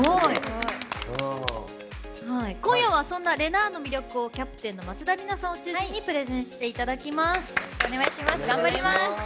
今夜はそんな、れなぁの魅力をキャプテンの松田里奈さんを中心にプレゼンしていただきます。